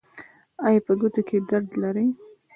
ایا په ګوتو کې درد لرئ؟